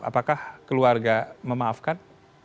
apakah keluarga memaafkan